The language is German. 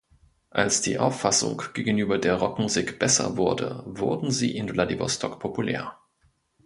Als die Auffassung gegenüber der Rockmusik besser wurde, wurden sie in Wladiwostok populär.